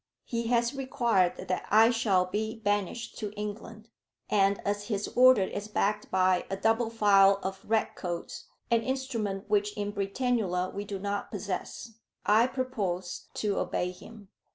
He has required that I shall be banished to England; and as his order is backed by a double file of red coats, an instrument which in Britannula we do not possess, I purpose to obey him.